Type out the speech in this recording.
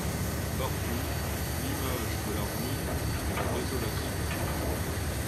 Partout, l'image de la ruine et de la désolation.